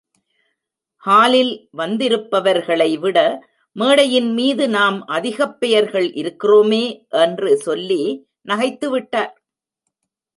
ஹாலில் வந்திருப்பவர்களைவிட, மேடையின்மீது நாம் அதிகப் பெயர்கள் இருக்கிறோமே! என்று சொல்லி நகைத்துவிட்டார்!